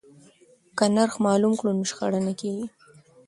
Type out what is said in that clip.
که نرخ معلوم کړو نو شخړه نه کیږي.